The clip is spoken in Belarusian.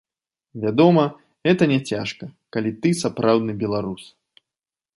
Вядома, гэта няцяжка, калі ты сапраўдны беларус.